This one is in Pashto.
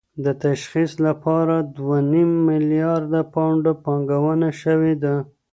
د تشخیص لپاره دوه نیم میلیارد پونډه پانګونه شوې ده.